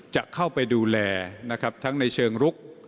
จะเข้าไปดูแลทั้งในเชิงรุก